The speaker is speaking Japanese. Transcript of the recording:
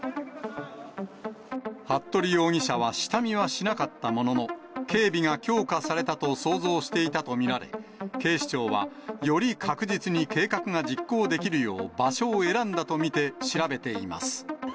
服部容疑者は下見はしなかったものの、警備が強化されたと想像していたと見られ、警視庁はより確実に計画が実行できるよう、場所を選んだと見て調べています。